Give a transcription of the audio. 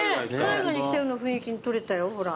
海外に来たような雰囲気に撮れたよほら。